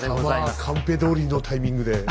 貴様カンペどおりのタイミングで。